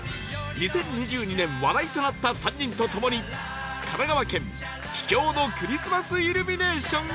２０２２年話題となった３人とともに神奈川県秘境のクリスマスイルミネーションへ